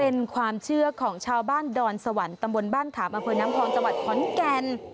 เป็นความเชื่อของชาวบ้านดอนสวรรค์ตำบลบ้านขามอำเภอน้ำพองจังหวัดขอนแก่น